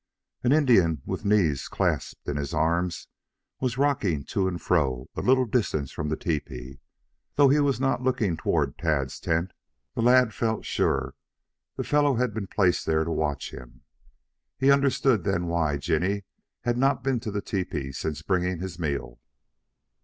An Indian, with knees clasped in his arms, was rocking to and fro a little distance from the tepee. Though he was not looking toward Tad's tent, the lad felt sure the fellow had been placed there to watch him. He understood then why Jinny had not been to the tepee since bringing his meal.